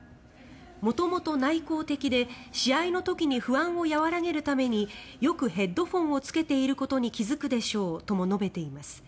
元々内向的で試合の時に不安を和らげるためによくヘッドホンをつけていることに気付くでしょうとも述べています。